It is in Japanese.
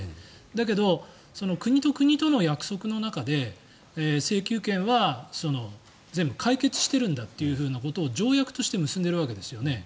だけど、国と国との約束の中で請求権は全部解決してるんだということを条約として結んでいるわけですよね。